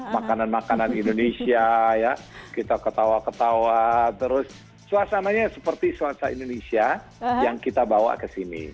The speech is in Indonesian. makanan makanan indonesia kita ketawa ketawa terus suasananya seperti suasana indonesia yang kita bawa ke sini